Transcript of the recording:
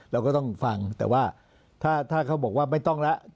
เราก็ต้องฟังแต่ว่าถ้าเขาบอกว่าไม่ต้องแล้ว